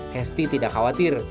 hesti tidak khawatir